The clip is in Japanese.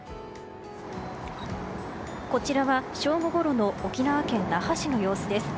こちらは正午ごろの沖縄県那覇市の様子です。